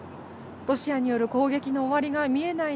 ロシアによる攻撃の終わりが見えない